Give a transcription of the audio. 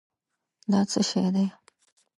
دا څه شی دی؟